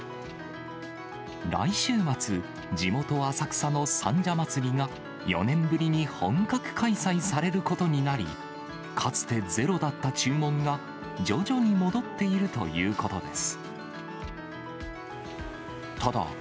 来週末、地元、浅草の三社祭が４年ぶりに本格開催されることになり、かつてゼロだった注文が、徐々に戻っているということです。